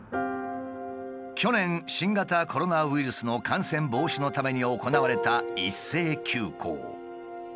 去年新型コロナウイルスの感染防止のために行われた一斉休校。